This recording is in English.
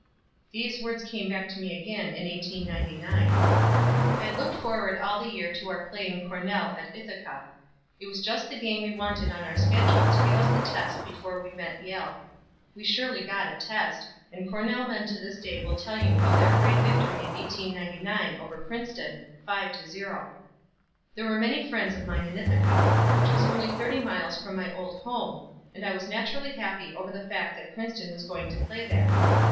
These words came back to me again in 1899. I had looked forward all the year to our playing Cornell at Ithaca. It was just the game we wanted on our schedule to give us the test before we met Yale. We surely got a test, and Cornell men to this day will tell you of their great victory in 1899 over Princeton, 5 to 0. There were many friends of mine in Ithaca, which was only thirty miles from my old home, and I was naturally happy over the fact that Princeton was going to play there.